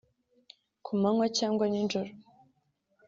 ku manywa cyangwa nijoro